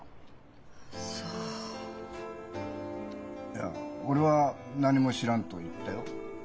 いや「俺は何も知らん」と言ったよ。